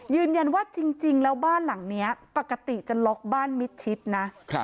ยืนยันว่าจริงแล้วบ้านหลังนี้ปกติจะล็อกบ้านมิดชิดนะ